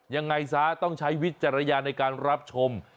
ยังไงซะต้องใช้วิจารณญาณในการรับชม